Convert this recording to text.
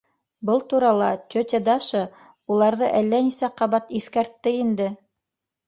Был турала тетя Даша уларҙы әллә нисә ҡабат иҫкәртте инде.